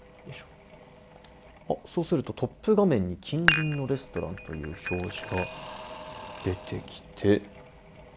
そうするとトップ画面に近隣のレストランという表示が出てきて。